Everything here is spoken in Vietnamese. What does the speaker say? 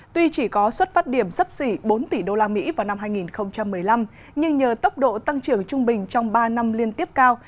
tuy chỉ có xuất phát điểm sắp xỉ bốn tỷ usd vào năm hai nghìn một mươi năm nhưng nhờ tốc độ tăng trưởng trung bình trong ba năm liên tiếp cao